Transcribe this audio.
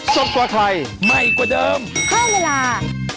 โปรดติดตามตอนต่อไป